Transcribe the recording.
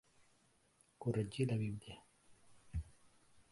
Corregir la Bíblia.